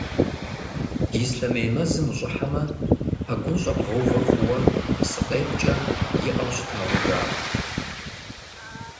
Ислъэмей мэзым ущӀыхьэмэ, пэгун щӀэбгъэувэ хъууэ псыкъепкӀэ иӀэу щытауэ жаӀэ.